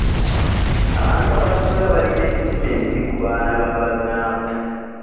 Abantu abasinga balina emitima emibi ku baana ba bannaabwe.